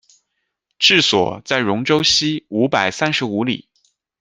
治所在戎州西五百三十五里。